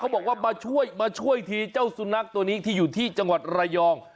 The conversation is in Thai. บอกว่ามาช่วยมาช่วยทีเจ้าสุนัขตัวนี้ที่อยู่ที่จังหวัดระยอง